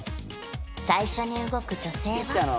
最初に動く女性は？